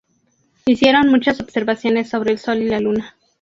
Hicieron muchas observaciones sobre el sol y la luna.